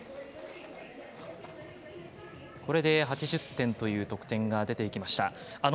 これで８０点という得点が出ました。